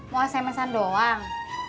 mau asal masal doang